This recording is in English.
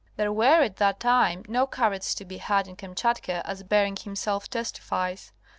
There were at that time no carrots to be had in Kam chatka as Bering himself testifies.